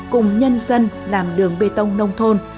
cùng nhân dân làm đường bê tông nông thôn